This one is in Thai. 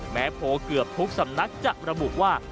โพลเกือบทุกสำนักจะระบุว่า